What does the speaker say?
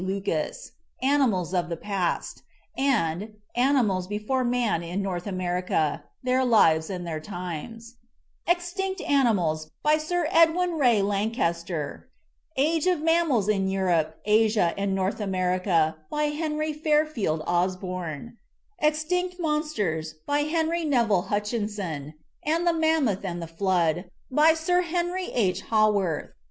Lucas, "Ani mals of the Past" and "Animals before Man in North America: Their Lives and their Times"; "Extinct Animals" by Sir Edwin Ray Lankester; "Age of Mammals in Europe, Asia, and North America," by Henry Fairfield Osborn; "Extinct Monsters," by Henry Neville Hutchinson; and "The Mammoth and the Flood," by Sir Henry H. 5 359864 6 I'REFACE Ho worth.